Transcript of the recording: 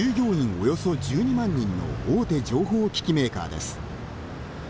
およそ１２万人の大手情報機器メーカーです。